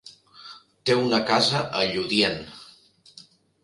Té una casa a Lludient.